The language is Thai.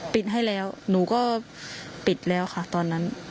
ปิดให้แล้วหนูก็ปิดแล้วค่ะตอนนั้น